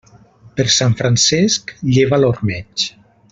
Per Sant Francesc, lleva l'ormeig.